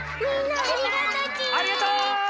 ありがとう！